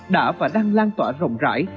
đã và đang lan tỏa rộng rãi